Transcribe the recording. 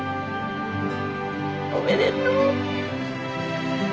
おめでとう。